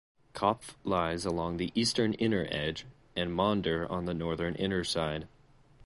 Kopff lies along the eastern inner edge, and Maunder on the northern inner side.